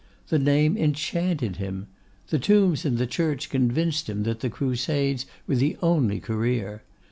The name enchanted him. The tombs in the church convinced him that the Crusades were the only career.